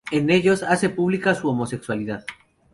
En ellos, hace pública su homosexualidad.